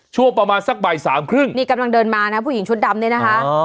ช่วงประมาณสักบ่ายสามครึ่งนี่กำลังเดินมานะผู้หญิงชุดดำเนี่ยนะคะ